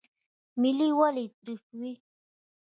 ملی ولې تریخ وي؟